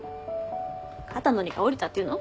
肩の荷が下りたっていうの？